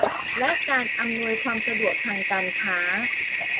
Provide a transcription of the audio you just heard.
และการอำนวยความสะดวกทางการค้า